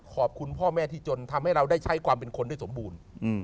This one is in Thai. ขอบคุณพ่อแม่ที่จนทำให้เราได้ใช้ความเป็นคนได้สมบูรณ์